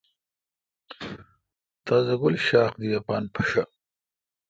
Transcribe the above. تازہ گل شاخ دی اپان پھشہ۔